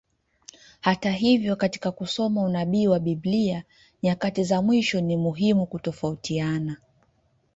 Hata hivyo, katika kusoma unabii wa Biblia nyakati za mwisho, ni muhimu kutofautisha.